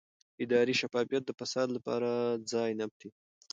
اداري شفافیت د فساد لپاره ځای نه پرېږدي